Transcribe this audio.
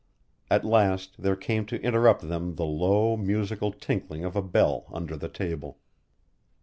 At last there came to interrupt them the low, musical tinkling of a bell under the table.